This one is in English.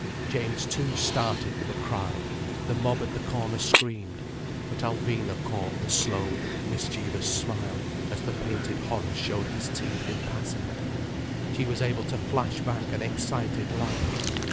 James too started with a cry, the mob at the corner screamed. But Alvina caught the slow, mischievous smile as the painted horror showed his teeth in passing; she was able to flash back an excited laugh.